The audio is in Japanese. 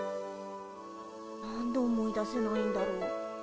何で思い出せないんだろう。